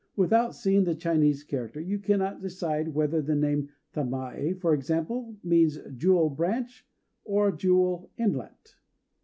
Without seeing the Chinese character, you cannot decide whether the name Tamaë, for example, means "Jewel branch" or "Jewel Inlet."